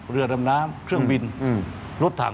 เรือดำน้ำเครื่องบินรถถัง